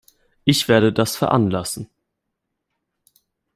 Ich werde das veranlassen.